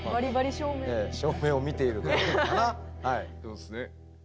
照明を見ているのかな？